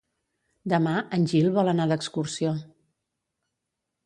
Demà en Gil vol anar d'excursió.